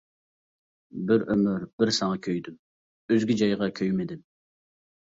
بىر ئۆمۈر بىر ساڭا كۆيدۈم ئۆزگە جايغا كۆيمىدىم.